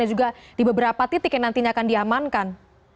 dan juga di beberapa titik yang nantinya akan diamankan